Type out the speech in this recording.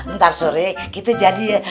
ntar sore kita jadi ya